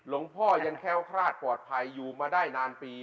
พ่อยังแค้วคลาดปลอดภัยอยู่มาได้นานปี